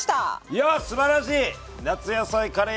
いやっすばらしい！